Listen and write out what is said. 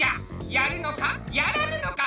やらぬのか？